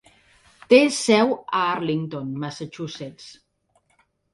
Té seu a Arlington, Massachusetts.